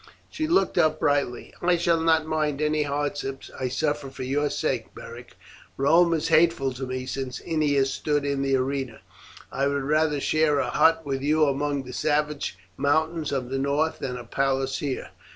She looked up brightly. "I shall not mind any hardships I suffer for your sake, Beric. Rome is hateful to me since Ennia stood in the arena. I would rather share a hut with you among the savage mountains of the north than a palace here."